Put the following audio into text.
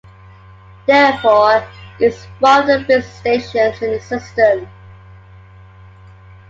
Therefore, it is one of the busiest stations in the system.